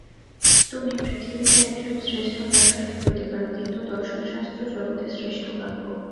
তুমি পৃথিবীতে একজন শ্রেষ্ঠ দার্শনিক হইতে পার, কিন্তু দর্শনশাস্ত্র জগতের শ্রেষ্ঠ কাব্য।